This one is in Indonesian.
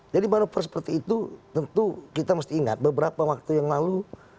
jadi manfaat seperti itu tentu kita mesti ingat beberapa waktu yang lalu